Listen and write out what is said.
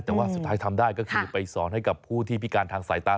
แต่ว่าสุดท้ายทำได้ก็คือไปสอนให้กับผู้ที่พิการทางสายตา